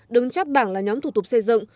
đứng chắc bảng là nhóm thủ tục xây dựng